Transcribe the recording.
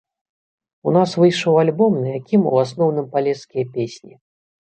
У нас выйшаў альбом на якім у асноўным палескія песні.